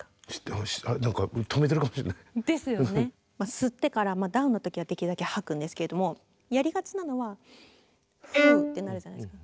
吸ってからダウンの時はできるだけはくんですけれどもやりがちなのはフーッてなるじゃないですか。